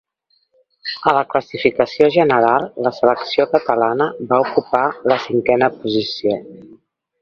A la classificació general la selecció catalana va ocupar la cinquena posició.